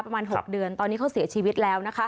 ประมาณ๖เดือนตอนนี้เขาเสียชีวิตแล้วนะคะ